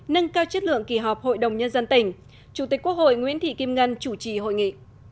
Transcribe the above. nâng cao chất lượng kỳ họp hội đồng nhân dân tỉnh chủ tịch quốc hội nguyễn thị kim ngân chủ trì hội nghị